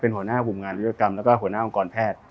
เป็นหัวหน้าของกลุ่มงานอายุรกรรมและก็หัวหน้าองค์กรแพทย์